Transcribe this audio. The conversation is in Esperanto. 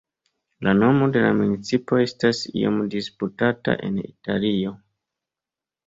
La nomo de la municipo estas iom disputata en Italio.